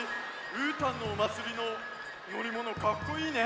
うーたんのおまつりののりものかっこいいね。